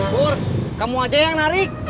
bur kamu aja yang narik